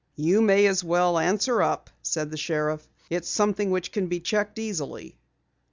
"You may as well answer up," said the sheriff. "It's something which can be checked easily."